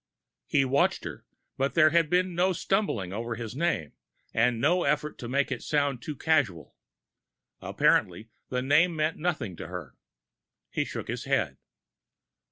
He watched her, but there had been no stumbling over his name, and no effort to make it sound too casual. Apparently, the name meant nothing to her. He shook his head.